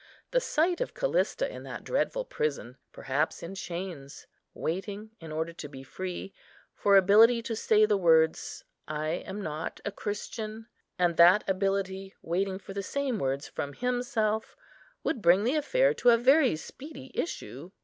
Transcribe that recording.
The sight of Callista in that dreadful prison, perhaps in chains, waiting, in order to be free, for ability to say the words, "I am not a Christian;" and that ability waiting for the same words from himself, would bring the affair to a very speedy issue.